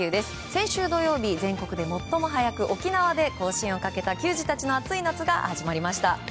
先週土曜日、全国で最も早く沖縄で甲子園をかけた球児たちの暑い夏が始まりました。